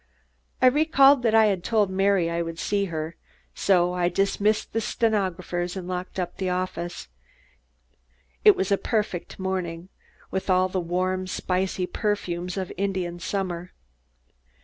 I recalled that I had told Mary I would see her, so I dismissed the stenographers and locked up the office. It was a perfect morning, with all the warm spicy perfumes of Indian summer.